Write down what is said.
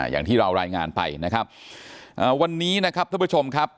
อย่างที่เรารายงานไปวันนี้ท่านผู้ชม